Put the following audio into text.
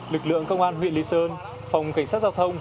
lực lượng công an huyện lý sơn phòng cảnh sát giao thông